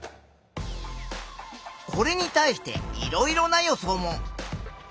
これに対していろいろな予想も。